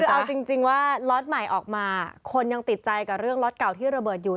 คือเอาจริงว่าล็อตใหม่ออกมาคนยังติดใจกับเรื่องล็อตเก่าที่ระเบิดอยู่